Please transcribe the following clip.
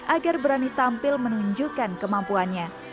agar berani tampil menunjukkan kemampuannya